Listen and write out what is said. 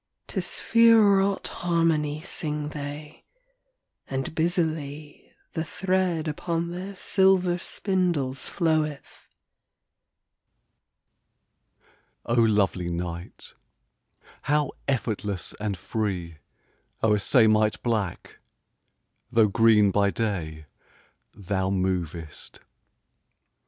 To sphere wrought harmony Sing they, and busily The thread upon their silver spindles floweth. He. Oh lovely night I how effortless and free O'er samite black â though green by day â thou movest